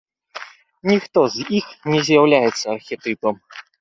Ніхто з іх не з'яўляецца архетыпам.